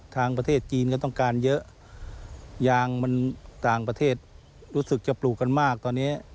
ทางประเทศจีนก็ต้องการเยอะยางมันต่างประเทศรู้สึกจะปลูกกันมากตอนนี้